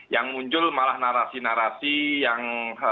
yang muncul malah narasi narasi yang